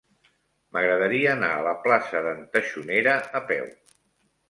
M'agradaria anar a la plaça d'en Taxonera a peu.